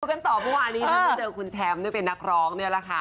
กลับไปกันต่อเพราะวันนี้ก็จะเจอคุณแชมป์ด้วยเป็นนักร้องนี่แหละค่ะ